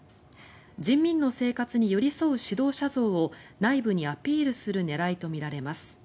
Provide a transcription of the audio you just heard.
人民の生活に寄り添う指導者像を内部にアピールする狙いとみられます。